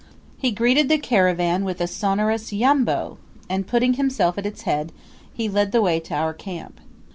He greeted the caravan with a sonorous "Yambo," and, putting himself at its head, he led the way to our camp.